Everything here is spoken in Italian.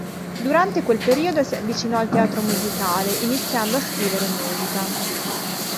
Durante quel periodo si avvicinò al teatro musicale, iniziando a scrivere musica.